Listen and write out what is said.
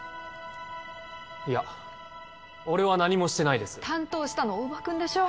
いや俺は何もしてないです担当したの大庭君でしょ？